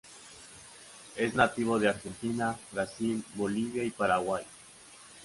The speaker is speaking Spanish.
Es nativo de Argentina, Brasil, Bolivia y Paraguay.